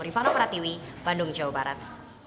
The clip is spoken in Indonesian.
rifana pratiwi bandung jawa barat